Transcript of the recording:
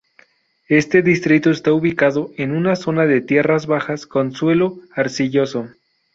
Este distrito está ubicado en una zona de tierras bajas con suelo arcilloso.